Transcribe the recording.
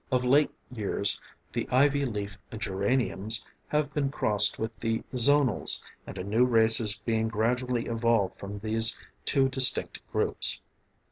Of late years the ivy leaf "geraniums" have been crossed with the "zonals," and a new race is being gradually evolved from these two distinct groups.